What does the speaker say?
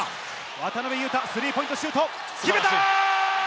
渡邊雄太、スリーポイント決めた！